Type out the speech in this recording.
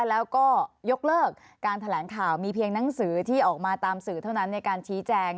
แล้วก็ยกเลิกการแถลงข่าวมีเพียงหนังสือที่ออกมาตามสื่อเท่านั้นในการชี้แจง